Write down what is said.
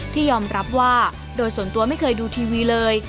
ที่ยอมรับว่าโดยส่วนตัวไม่เคยดูทีวีเลย